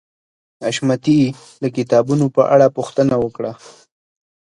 حشمتي د کتابونو په اړه پوښتنه وکړه